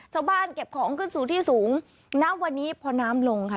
เก็บของขึ้นสู่ที่สูงณวันนี้พอน้ำลงค่ะ